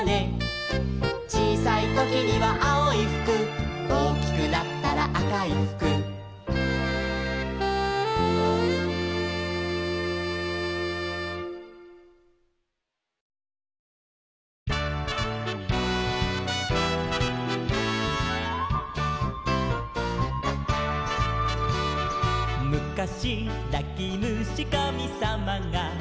「ちいさいときにはあおいふく」「おおきくなったらあかいふく」「むかしなきむしかみさまが」